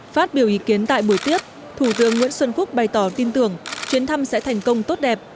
phát biểu ý kiến tại buổi tiếp thủ tướng nguyễn xuân phúc bày tỏ tin tưởng chuyến thăm sẽ thành công tốt đẹp